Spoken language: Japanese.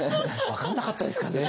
分かんなかったですかね。